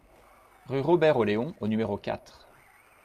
Rue Robert Oléon au numéro quatre